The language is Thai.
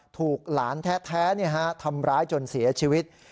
ถูกหลานแท้ทำร้ายจนเสียชีวิต